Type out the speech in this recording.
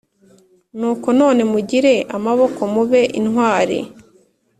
Nuko none mugire amaboko mube intwari